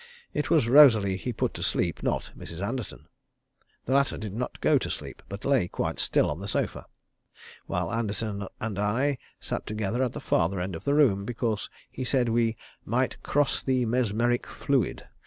It was Rosalie he put to sleep, not Mrs. Anderton. The latter did not go to sleep, but lay quite still on the sofa, while Anderton and I sat together at the farther end of the room, because he said we might "cross the mesmeric fluid."